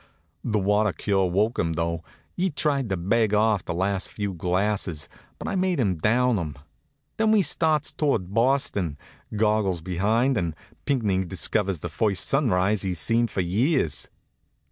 The water cure woke him, though. He tried to beg off on the last few glasses, but I made him down 'em. Then we starts towards Boston, Goggles behind, and Pinckney discovers the first sunrise he's seen for years.